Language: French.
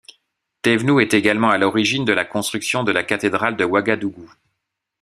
Thévenoud est également à l'origine de la construction de la cathédrale de Ouagadougou.